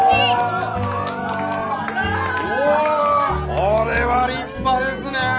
これは立派ですねえ。